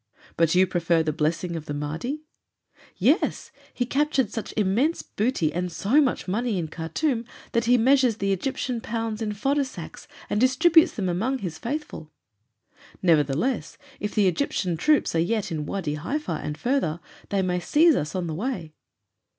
"But you prefer the blessing of the Mahdi?" "Yes. He captured such immense booty and so much money in Khartûm that he measures the Egyptian pounds in fodder sacks and distributes them among his faithful " "Nevertheless, if the Egyptian troops are yet in Wâdi Haifa, and further, they may seize us on the way."